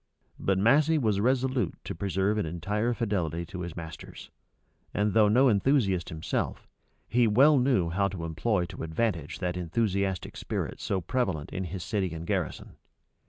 But Massey was resolute to preserve an entire fidelity to his masters; and though no enthusiast himself, he well knew how to employ to advantage that enthusiastic spirit so prevalent in his city and garrison.